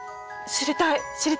知りたい！